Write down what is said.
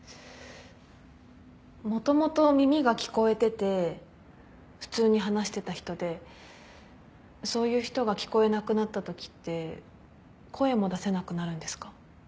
もともと耳が聞こえてて普通に話してた人でそういう人が聞こえなくなったときって声も出せなくなるんですか？